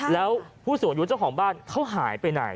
แล้วผู้สูงอายุเจ้าของบ้านเขาหายไปไหน